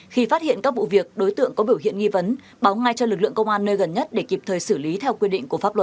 khi phát hiện các vụ việc đối tượng có biểu hiện nghi vấn báo ngay cho lực lượng công an nơi gần nhất để kịp thời xử lý theo quy định của pháp luật